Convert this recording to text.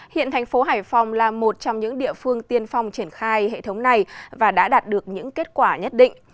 hiện thành phố hải phòng là một trong những địa phương tiên phong triển khai hệ thống này và đã đạt được những kết quả nhất định